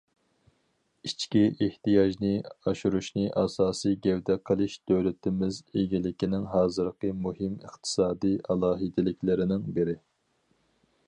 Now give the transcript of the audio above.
ئىچكى ئېھتىياجنى ئاشۇرۇشنى ئاساسىي گەۋدە قىلىش دۆلىتىمىز ئىگىلىكىنىڭ ھازىرقى مۇھىم ئىقتىسادىي ئالاھىدىلىكلىرىنىڭ بىرى.